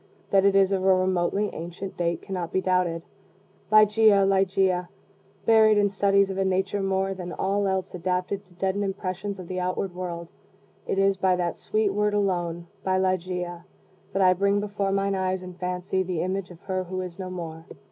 That it is of a remotely ancient date cannot be doubted. Ligeia! Ligeia! Buried in studies of a nature more than all else adapted to deaden impressions of the outward world, it is by that sweet word alone by Ligeia that I bring before mine eyes in fancy the image of her who is no more.